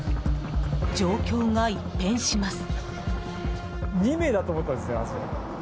状況が一変します。